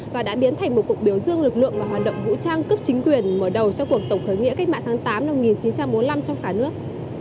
và đã biến thành một cuộc biểu dương lực lượng và hoạt động vũ trang cấp chính quyền mở đầu cho cuộc tổng khởi nghĩa cách mạng tháng tám năm một nghìn chín trăm bốn mươi năm trong cả nước